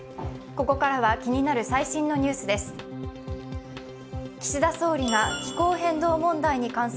ここからは気になる最新のニュースです。